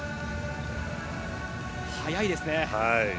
速いですね。